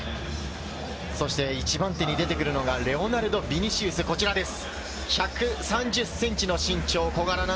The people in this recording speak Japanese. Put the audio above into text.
そして１番手に出てくるのがレオナルド・ヴィニシウス、こちらです。